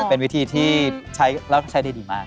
เป็นวิธีที่ใช้แล้วใช้ได้ดีมาก